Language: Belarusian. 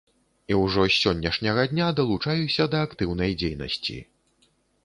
І ўжо з сённяшняга дня далучаюся да актыўнай дзейнасці.